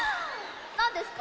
なんですか？